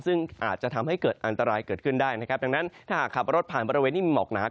ซึ่งอาจจะทำให้เกิดอันตรายเกิดขึ้นได้นะครับดังนั้นถ้าหากขับรถผ่านบริเวณที่มีหมอกหนา